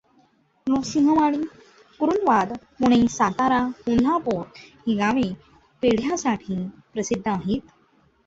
नृसिंहवाडी, कुरुंदवाड, पुणे, सातारा, कोल्हापुर ही गावे पेढ्यासाठी प्रसिद्ध आहेत.